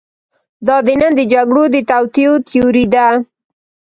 دا د نن د جګړو د توطیو تیوري ده.